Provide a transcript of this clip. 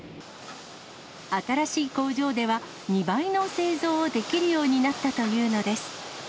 新しい工場では、２倍の製造をできるようになったというのです。